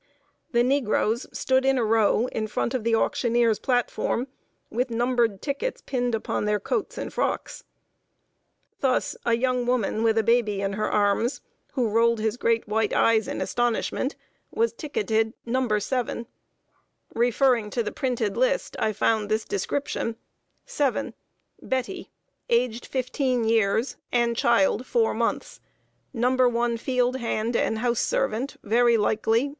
The negroes stood in a row, in front of the auctioneer's platform, with numbered tickets pinned upon their coats and frocks. Thus, a young woman with a baby in her arms, who rolled his great white eyes in astonishment, was ticketed "No. 7." Referring to the printed list, I found this description: "7. Betty, aged 15 years, and child 4 months, No. 1 field hand and house servant, very likely.